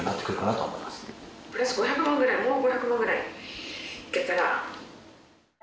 とりあえずプラス５００万ぐらい、もう５００万ぐらいいけたら。